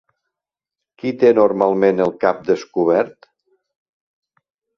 Qui té normalment el cap descobert?